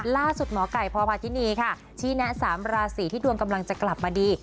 ล่าสุดหมอไก่พอพาที่นี้ค่ะชี้แนะสามราศีที่ดวงกำลังจะกลับมาดี